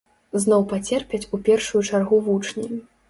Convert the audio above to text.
Зноў пацерпяць у першую чаргу вучні.